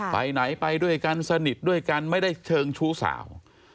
ไปไหนไปด้วยกันสนิทด้วยกันไม่ได้เชิงชู้สาว